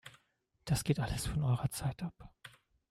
Das geht alles von eurer Zeit ab!